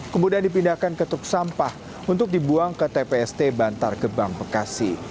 kemudian dipindahkan ke truk sampah untuk dibuang ke tpst bantar gebang bekasi